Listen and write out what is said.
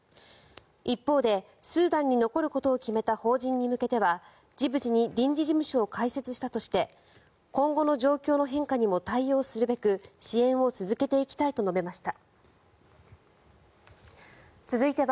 一方でスーダンに残ることを決めた邦人に向けてはジブチに臨時事務所を開設したとして今後の状況の変化にも対応するべく支援を続けていきたいと述べました。